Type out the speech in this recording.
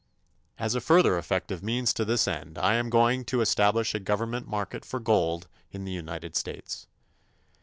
As a further effective means to this end, I am going to establish a government market for gold in the United States.